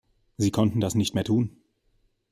Sie konnten das nicht mehr tun.